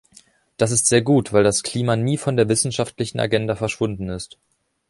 Das ist sehr gut, weil das Klima nie von der wissenschaftlichen Agenda verschwunden ist.